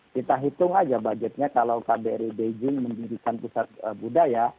kita hitung aja budgetnya kalau kbri beijing mendirikan pusat budaya